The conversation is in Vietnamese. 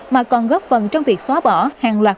mà còn góp phần trong việc xóa bỏ hàng loạt